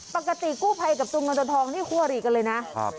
ปกติกู้ภัยกับตัวเงินตัวทองนี่คั่วหรี่กันเลยนะ